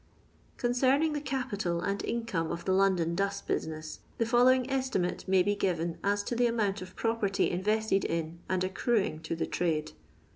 Conceraing the capital iind income of the Lon don dust business, the following estimate may be given as to the amount of property invested in and accruing to the trade.